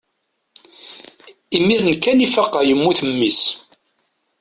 imir-n kan i faqeɣ yemmut mmi-s